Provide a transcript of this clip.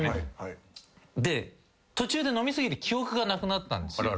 途中で飲み過ぎて記憶がなくなったんですよ。